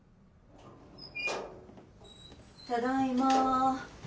ただいま。